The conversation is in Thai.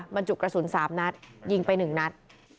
บรรจุกระสุน๓นัดยิงไป๑นัด